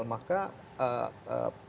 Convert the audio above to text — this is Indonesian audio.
maka program program lainnya